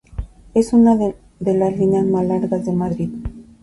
Es una de las líneas más largas de Madrid.